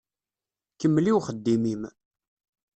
Kemmel i uxeddim-im.